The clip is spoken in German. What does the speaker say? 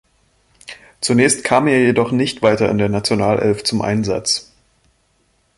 Zunächst kam er jedoch nicht weiter in der Nationalelf zum Einsatz.